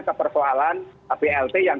ke persoalan blt yang